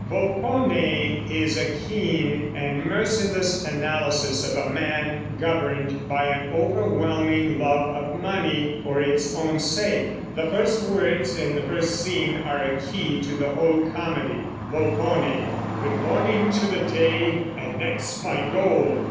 Volpone_ is a keen and merciless analysis of a man governed by an overwhelming love of money for its own sake. The first words in the first scene are a key to the whole comedy: (Volpone) Good morning to the day; and next, my gold!